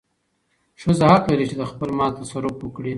ښځه حق لري چې د خپل مال تصرف وکړي.